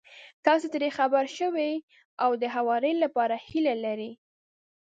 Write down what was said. تاسې ترې خبر شوي او د هواري لپاره يې هيله لرئ.